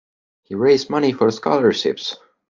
He raised money for scholarships.